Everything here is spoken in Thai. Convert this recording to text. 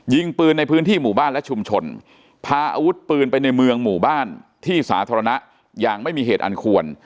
ยิงปืนในพื้นที่หมู่บ้านและชุมชนพาอาวุธปืนไปในเมืองหมู่บ้านที่สาธารณะอย่างไม่มีเหตุอันควร